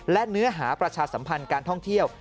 และเนื้อหาประชาสัมพันธ์การท่องเที่ยว